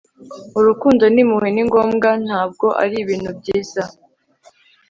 urukundo n'impuhwe ni ngombwa, ntabwo ari ibintu byiza